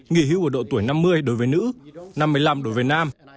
nghỉ hưu ở độ tuổi năm mươi đối với nữ năm mươi năm đối với nam